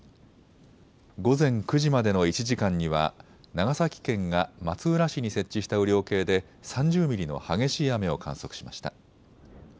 午前９時までの１時間には長崎県が松浦市に設置した雨量計で３０ミリの激しい雨を観測しました。